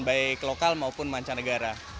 baik lokal maupun mancanegara